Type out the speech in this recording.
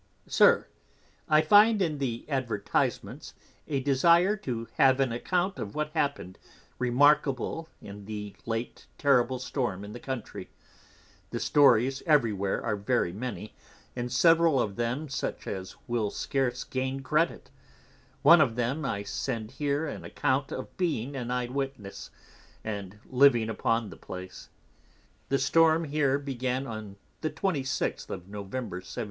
_ SIR, I find in the Advertisments a Desire to have an Account of what happen'd remarkable in the late terrible Storm in the Country; the Stories every where are very many, and several of them such as will scarce gain Credit; one of them I send here an Account of being an Eye Witness, and living upon the place: The Storm here began on the 26th of Novem. 1703.